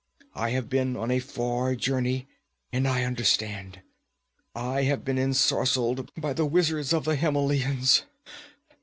I have been on a far journey and I understand. I have been ensorcelled by the wizards of the Himelians.